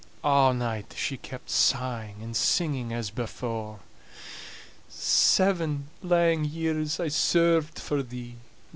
A' night she kept sighing and singing as before: "Seven lang years I served for thee," &c.